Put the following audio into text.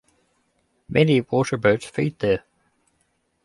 Many water birds feed there.